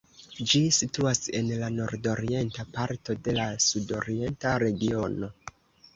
Ĝi situas en la nordorienta parto de la sudorienta regiono.